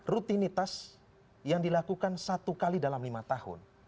rutinitas yang dilakukan satu kali dalam lima tahun